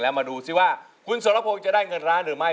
และมาดูสิว่าคุณสวนภงจะได้เงินร้านหรือไม่